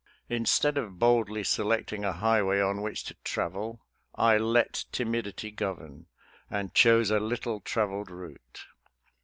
Instead of boldly selecting a highway on which to travel, I let timidity govern, and chose a little traveled route.